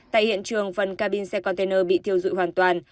tại hiện trường phần cabin xe container bị thiêu dụi hoàn toàn